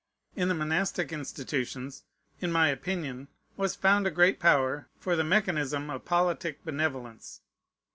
In the monastic institutions, in my opinion, was found a great power for the mechanism of politic benevolence.